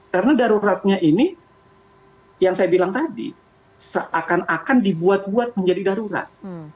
karena daruratnya ini yang saya bilang tadi seakan akan dibuat buat menjadi darurat